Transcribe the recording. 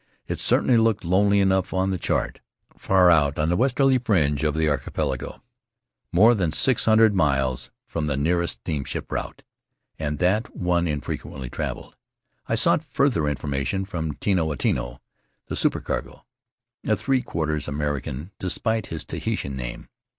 It certainly looked lonely enough on the chart, far out on the westerly fringe of the archipelago, more than six hundred miles from the Faery Lands of the South Seas nearest steamship route, and that one infrequently traveled. I sought further information from Tino a Tino, the supercargo, a three quarters American despite his Tahitian name.